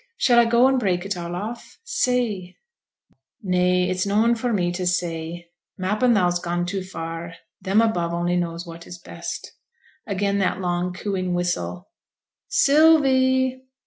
Shall I go and break it all off? say.' 'Nay, it's noane for me t' say; m'appen thou's gone too far. Them above only knows what is best.' Again that long, cooing whistle. 'Sylvie!'